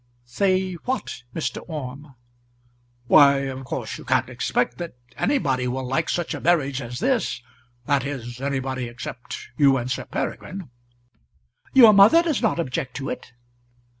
"Say what, Mr. Orme?" "Why, of course you can't expect that anybody will like such a marriage as this; that is, anybody except you and Sir Peregrine." "Your mother does not object to it."